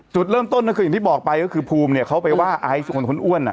จุดเริ่มต้นก็คืออย่างที่บอกไปก็คือภูมิเนี่ยเขาไปว่าไอซ์คนอ้วน